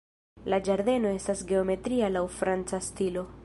La ĝardeno estas geometria laŭ franca stilo.